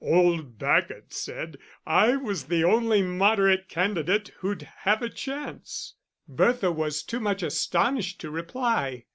"Old Bacot said I was the only Moderate candidate who'd have a chance." Bertha was too much astonished to reply.